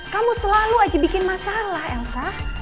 kamu selalu aja bikin masalah elsa